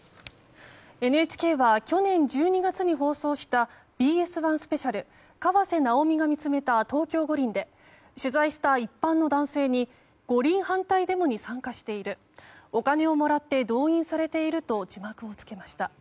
ＮＨＫは去年１２月に放送した「ＢＳ１スペシャル河瀬直美が見つめた東京五輪」で取材した一般の男性に五輪反対デモに参加しているお金をもらって動員されていると字幕を付けました。